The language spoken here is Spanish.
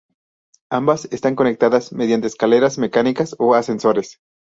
Ambas están conectadas mediante escaleras mecánicas o ascensores.